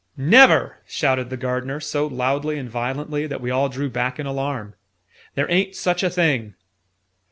"Never!" shouted the Gardener, so loudly and violently that we all drew back in alarm. "There ain't such a thing!"